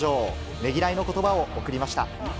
ねぎらいのことばを送りました。